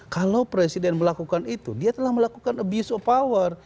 kalau presiden melakukan itu dia telah melakukan abuse of power